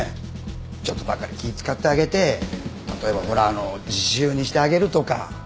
ちょっとばかり気ぃ使ってあげて例えばほらあのう自習にしてあげるとか。